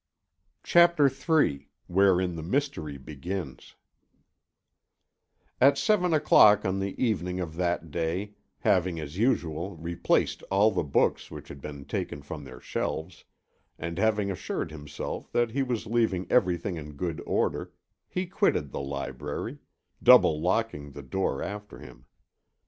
CHAPTER III WHEREIN THE MYSTERY BEGINS At seven o'clock on the evening of that day, having as usual replaced all the books which had been taken from their shelves, and having assured himself that he was leaving everything in good order, he quitted the library, double locking the door after him.